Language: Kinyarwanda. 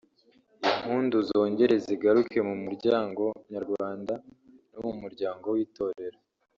impundu zongere zigaruke mu muryango nyarwanda no mu muryango w’Itorero